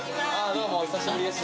どうもお久しぶりです。）